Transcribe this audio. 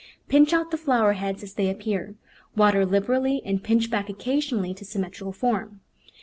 Pinch out the flower heads as they appear. Water liberally and pinch back oc casionally to symmetrical form.